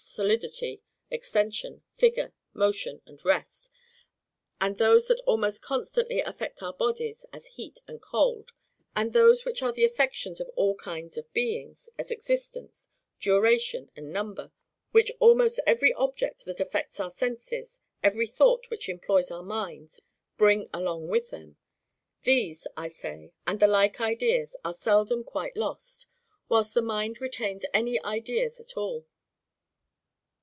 solidity, extension, figure, motion, and rest; and those that almost constantly affect our bodies, as heat and cold; and those which are the affections of all kinds of beings, as existence, duration, and number, which almost every object that affects our senses, every thought which employs our minds, bring along with them;—these, I say, and the like ideas, are seldom quite lost, whilst the mind retains any ideas at all.